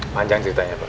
manjang ceritanya pak